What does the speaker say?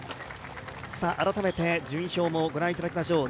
改めて順位表もご覧いただきましょう。